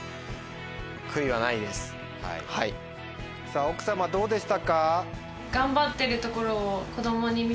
さぁ奥様どうでしたか？